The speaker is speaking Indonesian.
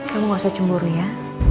kamu gak usah cemburu ya